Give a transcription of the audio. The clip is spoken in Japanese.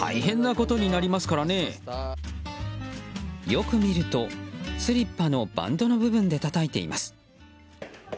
よく見るとスリッパのバンドの部分でたたいています。